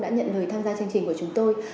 đã nhận lời tham gia chương trình của chúng tôi